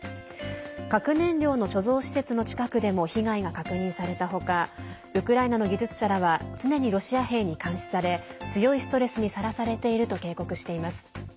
核燃料の貯蔵施設の近くでも被害が確認されたほかウクライナの技術者らは常にロシア兵に監視され強いストレスにさらされていると警告しています。